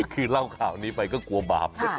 คือเล่าข่าวนี้ไปก็กลัวบาป